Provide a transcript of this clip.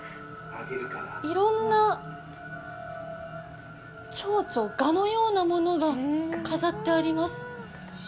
いろんなちょうちょ、蛾のようなものが飾ってあります。